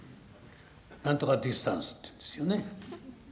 何とかディスタンスって言うんですよね？